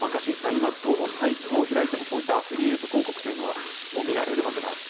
今、どのサイトを開いてもこういったアフィリエイト広告というのは見られるわけであって。